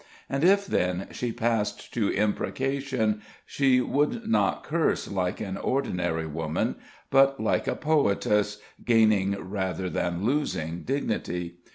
And if then she passed to imprecation, she would not curse like an ordinary woman, but like a poetess, gaining rather than losing dignity.